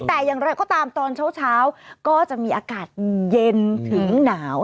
แต่อย่างไรก็ตามตอนเช้าก็จะมีอากาศเย็นถึงหนาว